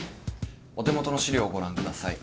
お手元の資料をご覧ください。